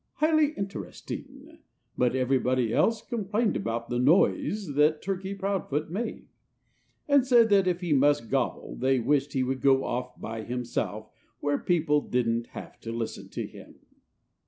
_" highly interesting. But everybody else complained about the noise that Turkey Proudfoot made, and said that if he must gobble they wished he would go off by himself, where people didn't have to listen to him.